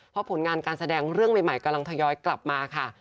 เพราะผลงานการแสดงเรื่องใหม่กำลังทยอยกลับมาค่ะ